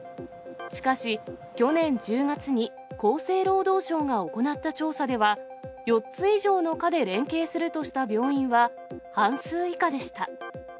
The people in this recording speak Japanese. しかし、去年１０月に、厚生労働省が行った調査では、４つ以上の科で連携するとした病院は半数以下でした。